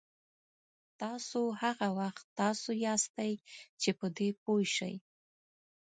تاسو هغه وخت تاسو یاستئ چې په دې پوه شئ.